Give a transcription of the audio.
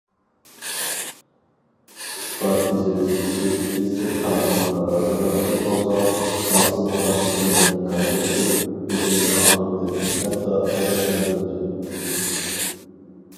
ئىسپات بېجىرىش ئىشى ئىزچىل خەلقنىڭ نارازىلىقىنى قوزغاپ، سانسىزلىغان كىشىلەرنى گاڭگىرىتىپ، بېشىنى ئاغرىتتى، ھەتتا غەزەپلەندۈردى.